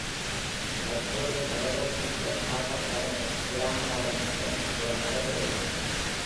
தற்போதைய தலைவர் Peter Harper தலைமையில் கிராம அரங்கில் சந்திப்புகள் நடைபெறுகின்றன.